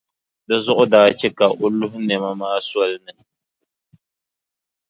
Di zuɣu daa che ka o luhi nɛma maa soli ni.